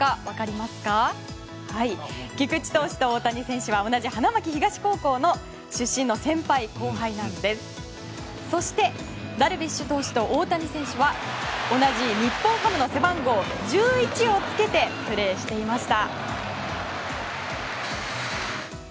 そしてダルビッシュ投手と大谷投手は同じ日本ハムの背番号１１をつけてプレーしていました。